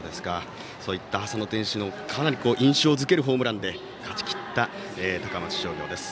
そういった浅野選手のかなり印象付けるホームランで勝ちきった高松商業です。